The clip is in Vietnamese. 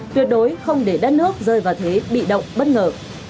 tuyệt đối không để đất nước rơi vào thế bị động bất ngờ